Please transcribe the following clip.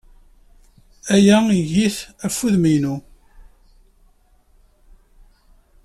Aya eg-it ɣef wudem-inu.